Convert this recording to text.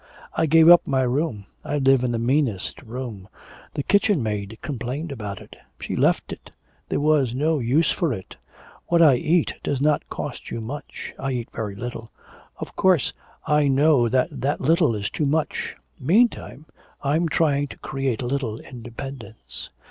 I gave up my room I live in the meanest room the kitchen maid complained about it; she left it; there was no use for it. What I eat does not cost you much; I eat very little. Of course I know that that little is too much. Meantime, I'm trying to create a little independence.'